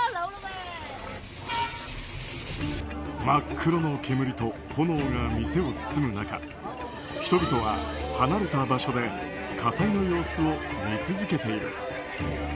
真っ黒の煙と炎が店を包む中人々は離れた場所で火災の様子を見続けている。